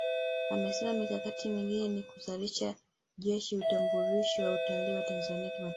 Amesema mikakati mingine ni kuanzisha Jeshi Utambulisho wa Utalii wa Tanzania Kimataifa